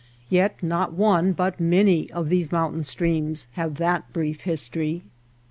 Yet not one but many of these mountain streams have that brief history.